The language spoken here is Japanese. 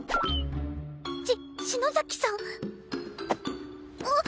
し篠崎さん？あっ！